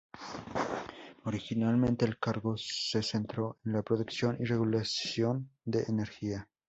Originalmente el cargo se centró en la producción y regulación de energía.